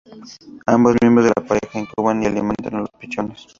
Ambos miembros de la pareja incuban y alimentan a los pichones.